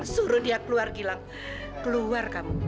suruh dia keluar gila keluar kamu